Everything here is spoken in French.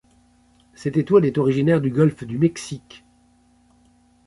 Cette étoile est originaire du Golfe du Mexique.